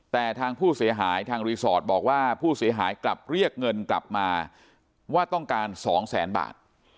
แต่ทางผู้เสียหายทางรีสอร์ทบอกว่าผู้เสียหายกลับเรียกเงินกลับมาว่าต้องการ๒แสนบาท